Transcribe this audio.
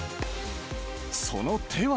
その手は。